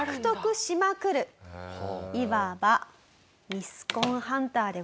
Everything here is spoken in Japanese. いわばミスコンハンターでございます。